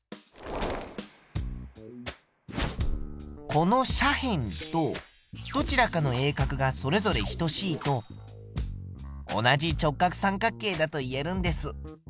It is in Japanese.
この斜辺とどちらかの鋭角がそれぞれ等しいと同じ直角三角形だと言えるんです。